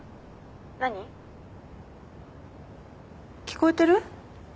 聞こえてる？